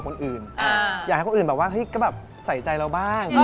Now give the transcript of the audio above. คนอื่นแบบว่าเฮ้ยก็แบบใส่ใจเราบ้าง